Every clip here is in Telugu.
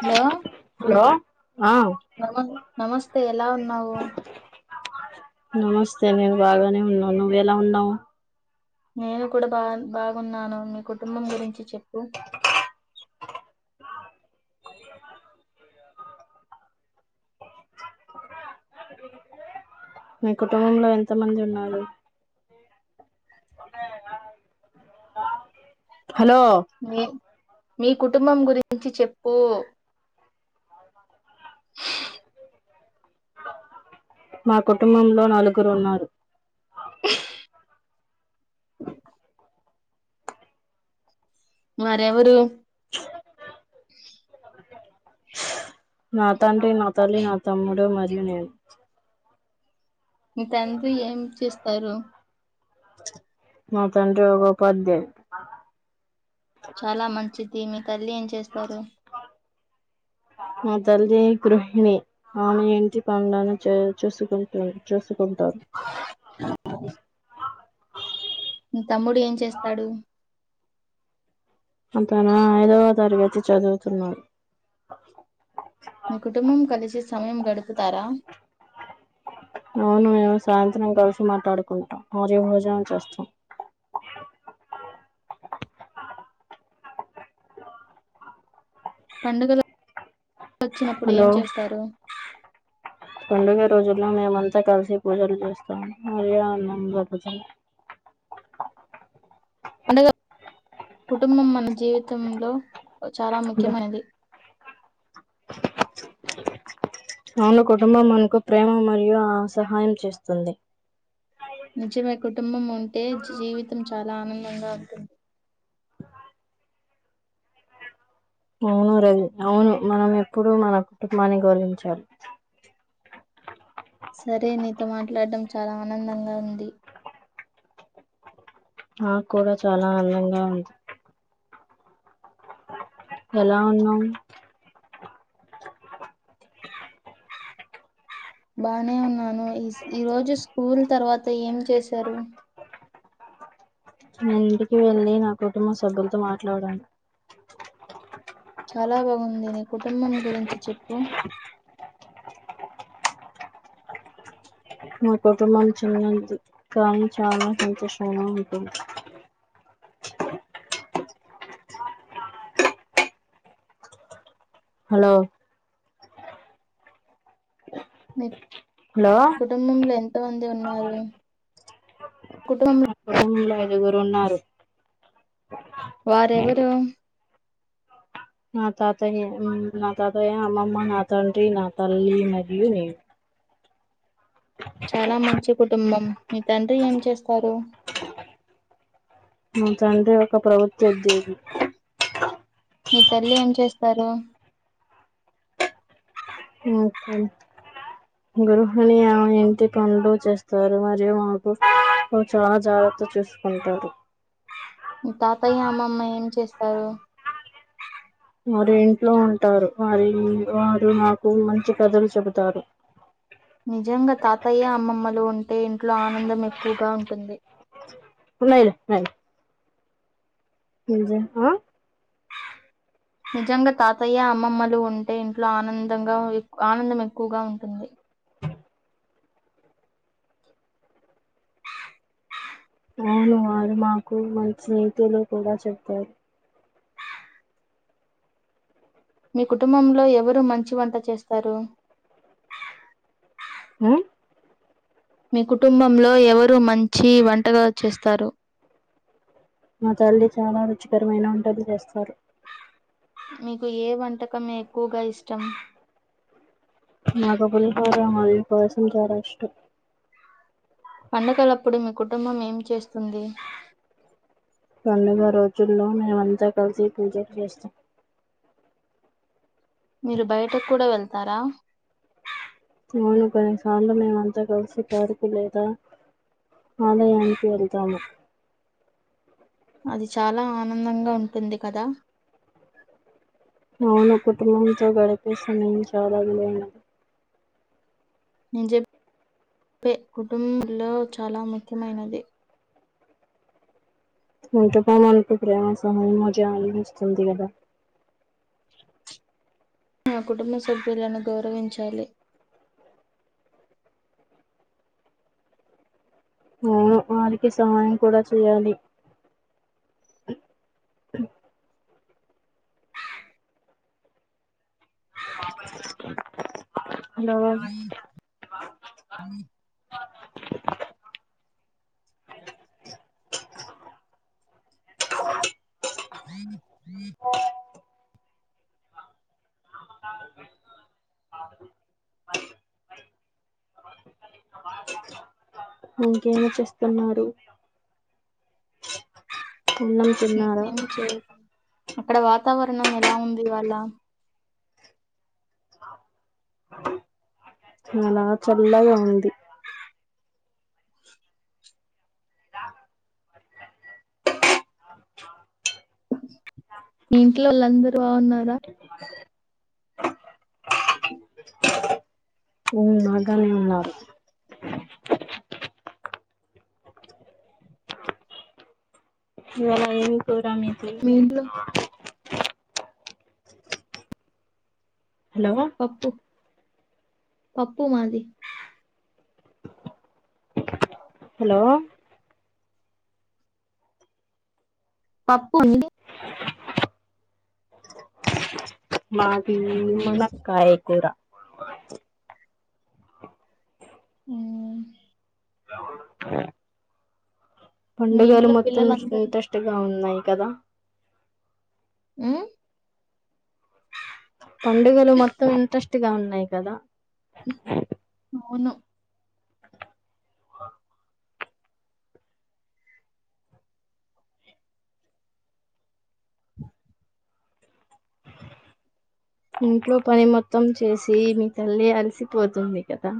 హలో హలో ఆ నమస్తే ఎలా ఉన్నావు నమస్తే నేను బాగానే ఉన్నాను నువ్వు ఎలా ఉన్నావు నేను కూడా బా బాగున్నాను మీ కుటుంబం గురించి చెప్పు మీ కుటుంబంలో ఎంత మంది ఉన్నారు హలో మీ మీ కుటుంబం గురించి చెప్పు [inaudible] మా కుటుంబంలో నలుగురు ఉన్నారు వారేవరు హ [inaudible] నా తండ్రి నా తల్లి నా తమ్ముడు మరియు నేను మీ తండ్రి ఏం చేస్తారు మా తండ్రి ఒక ఉపాద్యాయుడు ఈమె తల్లి ఏం చేస్తారు [inaudible] [unintelligible] మా తల్లి గృహిణి ఆమే ఇంటి పనులన్ని చేయు చూసుకుంటు చూసు ఉంటారు మీ తమ్ముడు ఏం చేస్తాడు అంతేనా ఐదవ తరగతి చదువుతున్నారు. మీ కుటుంబం కలిసి సమయం గడుపుతారా? అవును సాయంత్రం కలిసి మాట్లాడుకుంటాం, రోజు [unintelligible] భోజనం చేస్తాం పండుగలొచ్చినప్పుడు ఏం హలో చేస్తారు? పండుగ రోజుల్లో మేమంతా కలిసి పూజలు చేస్తాము [unintelligible] కుటుంబం మన జీవితంలో చాలా ముఖ్యమైనది. అవును కుటుంబం మనకు ప్రేమ మరియు ఆ సహాయం చేస్తుంది. నిజమే కుటుంబం ఉంటే జీవితం చాలా ఆనందంగా ఉంటుంది అవును రవి అవును మనం ఎప్పుడు మన కుటుంబాన్ని గౌరవించాలి సరే నీతో మాట్లాడ్డమ్ చాలా ఆనందంగా ఉంది. నాక్కుడా చాలా అందంగా ఉంది. ఎలా ఉన్నావు? బానే ఉన్నాను ఈ ఈ రోజు స్కూల్ తర్వాత ఏం చేశారు? నే ఇంటికి వెళ్ళి నా కుటుంబ సభ్యులతో మాట్లాడాను. చాలా బాగుంది నీ కుటుంబం గురించి చెప్పు? నా కుటుంబమ్ చాలా ఇది, కానీ చాలా సంతోషంగా ఉంటుంది. హలో మీ హలో కుటుంబంలో ఎంతోమంది ఉన్నారు? కుటుంబం కుటుంలో ఐదుగురున్నారు. వారెవరు? నా తాతయ నా తాతయ, అమ్మమ్మ నా తండ్రి నా తల్లి మరియు నేను. మీ తండ్రి ఏం చేస్తారు? మా తండ్రి ఒక ప్రభుత్వ ఉద్యోగి. మీ తల్లి ఏం చేస్తారు? ఉద్యోగి గృహిని ఆమె ఇంటి పనులు చేస్తారు మరియు మాకు చాలా జాగ్రత్ గ చూసుకుంటారు. మీ తాతయ్య, అమ్మమ్మ ఏం చేస్తారు? వారు ఇంట్లో ఉంటారు మరియు వారు నాకు మంచి కథలు చెబుతారు. నిజంగా తాతయ్య, అమ్మమ్మలు ఉంటే ఇంట్లో ఆనందం ఎక్కువుగా ఉంటుంది. లేదు అదే నిజం ఆ నిజంగా తాతయ్య, అమ్మమ్మలు ఉంటే ఇంట్లో ఆనందంగా ఆనందం ఎక్కువగా ఉంటుంది. అవును వారు మాకు మంచి తెలుగు కూడా చెప్తారు మీ కుటుంబంలో ఎవరు మంచి వంట చేస్తారు? ఆ మీ కుటుంబంలో ఎవరు మంచి వంటగా చేస్తారు? మా తల్లి చాలా రుచికరమైన వంటలు చేస్తారు. నీకు ఏ వంటకమ్ ఎక్కువగా ఇష్టం? నాకు పులిహోర మల్లి పెసర గారెలిస్టం. పండగలప్పుడు మీ కుటుంబం ఏం చేస్తుంది? పండుగ రోజుల్లో మేమంతా కలిసి పూజల్ జేస్తాం. మీరు బయటక్కూడా వెళ్తారా? అవును కొన్నిసార్లు మేమంతా కలిసి పార్కు లేదా ఆలయానికి వెళ్తాము. అది చాలా ఆనందంగా ఉంటుంది కదా? అ వును కుటుంబంతో గడిపే సమయం చాలా విలువైనది. నేన్ చెప్పే కుటుంబంలో చాలా ముఖ్యమైనది. కుటుంబమంటే [unintelligible] సమయం జాలినిస్తుంది గదా ఆ కుటుంబ సభ్యులను గౌరవించాలి. అవును వారికి సహాయం కూడా చేయాలి హలో అ ఓ ఇంకేమి చేస్తున్నారు [inaudible] అన్నం తిన్నారా ఇంకేం చేయ అక్కడ వాతావరణం ఎలా ఉంది వాళ్ళ అలా చల్లగా ఉంది మీ ఇంట్లో వాళ్ళు అందరు బాగున్నారా బాగానే ఉన్నారు ఇవాళ ఏమి కూర మీది మీ ఇంట్లో హలో పప్పు పప్పు మాది హలో పప్పు అండి మాది మునక్కాయ కూర ఉం మీ పండుగలు ఇంట్లో మొత్తం పిల్లలందరూ ఇంట్రెస్ట్ గా ఉన్నాయి కదా ఉ పండుగలు మొత్తం ఇంట్రెస్ట్ గా ఉన్నాయి కదా అవును ఆ [inaudible] ఇంట్లో పని మొత్తం చేసి మీ తల్లి అలసిపోతుంది కదా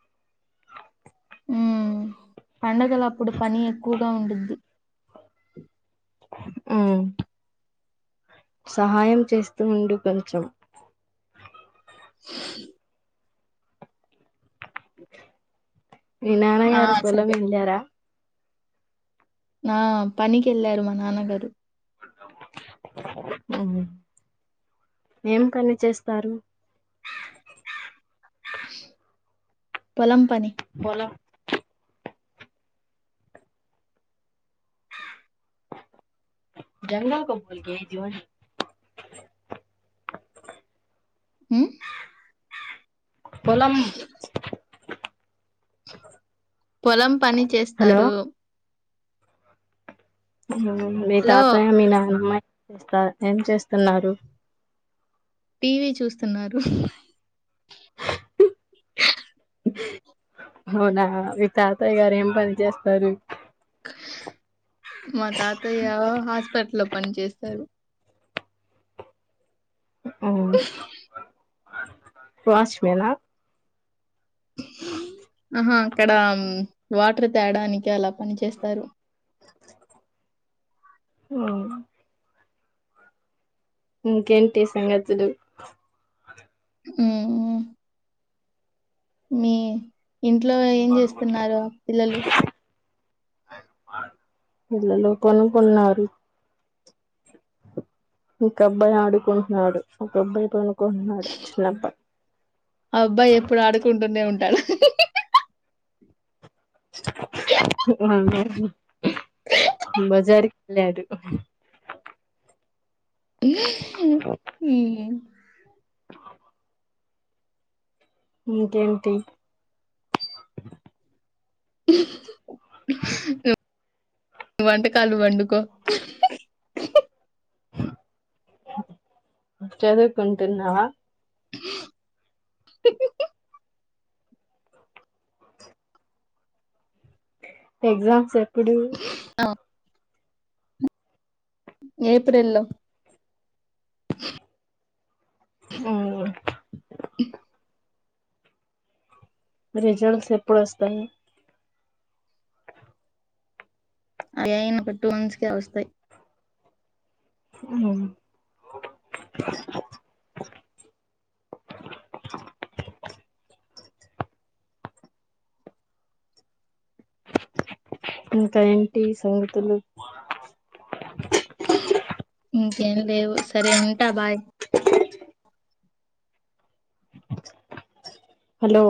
[inaudible] ఉమ్ పండగల అప్పుడు పని ఎక్కువగా ఉంటుంది ఆ సహాయం చేస్తూ ఉండు కొంచెం [inaudible] మీ ఆ నాన్నగారు పొలం సరే వెళ్లారా నా పనికి వెళ్ళారు మా నాన్నగారు ఓహో ఏం పని చేస్తారు పొలం పని పొలం జంగల్ క పనికి పో ఉం పొలం పొలం పని హలో చేస్తారు మీ హలో తాతయ్య మీ నాన్నమ్మ చేస్తా ఏం చేస్తున్నారు టీవీ చూస్తున్నారు అవునా మీ తాతయ్య గారు ఏం పని చేస్తారు మా తాతయ్య హాస్పిటల్ లో పని చేస్తారు వాచ్మేన ఆ [inaudible] అక్కడ వాటర్ తేడానికి అలా పని చేస్తారు ఉం ఇంకేంటి సంగతులు ఉమ్మ్ మీ ఇంట్లో ఏం చేస్తున్నారు పిల్లలు పిల్లలు కొనుక్కున్నారు ఇంక్ అబ్బాయి ఆడుకుంట్నాడు ఒక అబ్బాయి పను ఆబ్బాయి ఎప్పుడు ఆడుకుంటూనే ఉంటడ్ వందోహి బజారిక్ ఎల్లాడు మ్మ్ అ ఇంకేంటి యొ వంటకాల్ వండుకో చదువుకుంటున్నావ ఎగ్జామ్స్ ఎప్పుడు ఆ ఏప్రేల్ లో ఉమ్ రిజల్ట్స్ ఎప్పుడ్ ఒస్తాయి అయి అయినక టూ మంత్స్ కే ఒస్తాయ్ మ్ ఇంకా ఏంటి సంగతులు ఇంకేమిలేవు సరే ఉంటా బాయ్ హలో